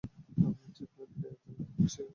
Jacqueline de Belfort খুনি নন।